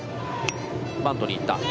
バントに行った。